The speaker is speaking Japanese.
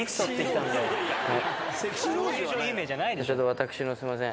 私のすいません。